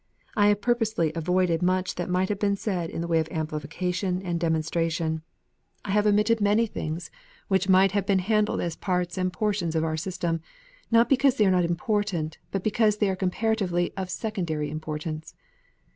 I have purposely avoided much that might have been said in the way of amplification and demonstration. I have omitted many 8 KNOTS UNTIED. things which might have been handled as parts and portions of our system, not because they are not important, but because they are comparatively of secondary importance.